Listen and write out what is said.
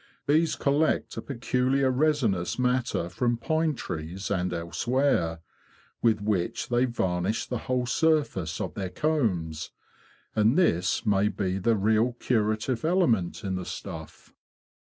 Bees collect a peculiar resinous matter from pine trees and elsewhere, with which they varnish the whole surface of their combs, and this may be the real curative element in the stuff."